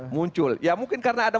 muncul ya mungkin karena ada